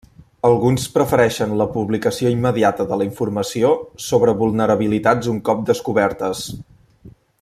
Alguns prefereixen la publicació immediata de la informació sobre vulnerabilitats un cop descobertes.